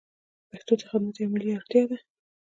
پښتو ته خدمت یوه ملي اړتیا ده.